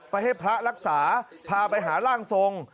ให้พระรักษาพาไปหาร่างทรง